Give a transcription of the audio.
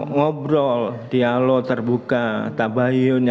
ngobrol dialog terbuka tabayun